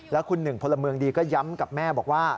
แล้วคุณหนึ่งพลเมืองดีก็ย้ำกับแม่บอกว่า